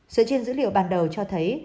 sự truyền dữ liệu bản đầu cho thấy